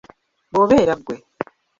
Bw'obeera ggwe?